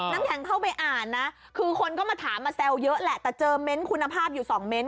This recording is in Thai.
น้ำแข็งเข้าไปอ่านนะคือคนก็มาถามมาแซวเยอะแหละแต่เจอเน้นคุณภาพอยู่สองเม้นต